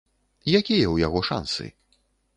Якія ў яго шансы?